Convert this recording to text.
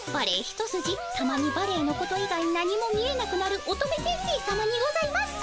ひとすじたまにバレエのこと以外何も見えなくなる乙女先生さまにございます。